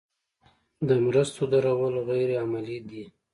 د مرستو درول غیر عملي دي.